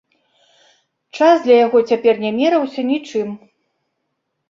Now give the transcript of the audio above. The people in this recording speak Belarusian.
Час для яго цяпер не мераўся нічым.